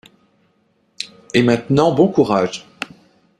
Et maintenant bon courage.